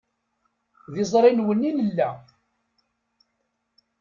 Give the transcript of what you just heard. D iẓrilwen i nella.